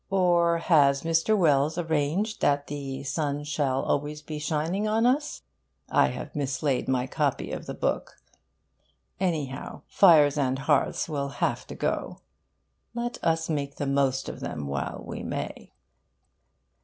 Or has Mr. Wells arranged that the sun shall always be shining on us? I have mislaid my copy of the book. Anyhow, fires and hearths will have to go. Let us make the most of them while we may.